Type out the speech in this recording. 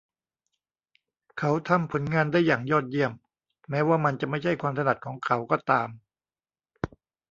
เขาทำผลงานได้อย่างยอดเยี่ยมแม้ว่ามันจะไม่ใช่ความถนัดของเขาก็ตาม